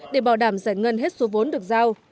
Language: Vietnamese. để bảo đảm giải ngân hết số vốn được giao